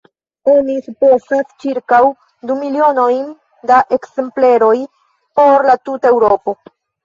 Oni supozas ĉirkaŭ du milionojn da ekzempleroj por la tuta Eŭropo.